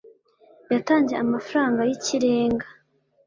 yatanze amafaranga y’ ikirenga